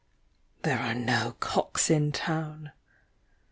. there are no cocks in town